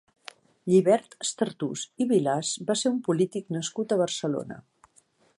Llibert Estartús i Vilas va ser un polític nascut a Barcelona.